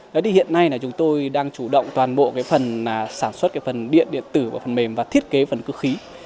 đó thì hiện nay chúng tôi đang chủ động toàn bộ sản xuất phần điện điện tử và phần mềm và thiết kế phần cơ khí